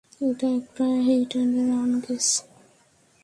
এটা একটা hit and run case.